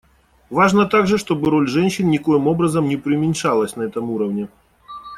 Важно также, чтобы роль женщин никоим образом не приуменьшалась на этом уровне.